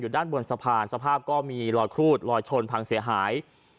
ด้านบนสะพานสภาพก็มีรอยครูดลอยชนพังเสียหาย